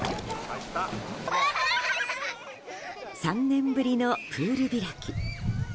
３年ぶりのプール開き。